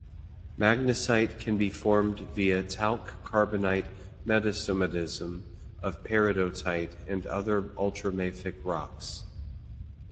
Magnesite can be formed via talc carbonate metasomatism of peridotite and other ultramafic rocks.